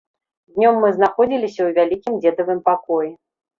Днём мы знаходзіліся ў вялікім дзедавым пакоі.